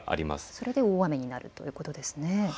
それで大雨になるということですね。